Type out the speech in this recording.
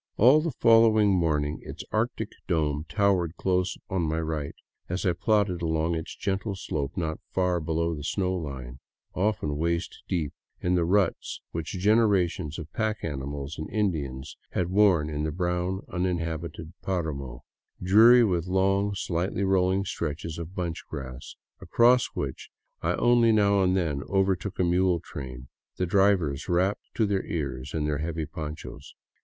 All the following morning its arctic dome towered close on my right as I plodded along its gentle slope not far below the snow line, often waist deep in the ruts which generations of pack animals and Indians had worn in the brown, uninhabited paramo, dreary with long, slightly rolling stretches of bunch grass, across which I only now and then overtook a mule train, the drivers wrapped to their ears in their heavy ponchos.